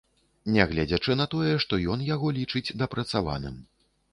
Нягледзячы на тое, што ён яго лічыць дапрацаваным.